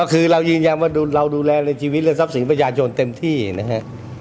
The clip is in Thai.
คือเรายืนยันว่าเราดูแลในชีวิตและทรัพย์สินประชาชนเต็มที่นะฮะ